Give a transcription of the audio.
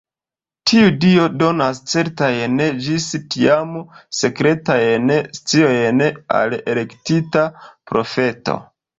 Tiu Dio donas certajn ĝis tiam sekretajn sciojn al elektita profeto.